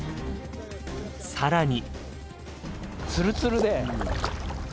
更に。